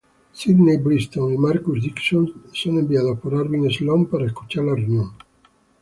Sydney Bristow y Marcus Dixon son enviados por Arvin Sloane para escuchar la reunión.